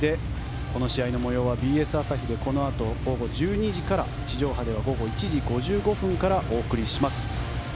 この試合の模様はＢＳ朝日で午後１２時から地上波では午後１時５５分からお送りします。